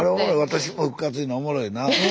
「私も復活」いうのおもろいな。